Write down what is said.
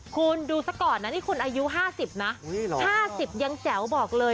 คุณดูซะก่อนนะนี่คุณอายุ๕๐นะ๕๐ยังแจ๋วบอกเลย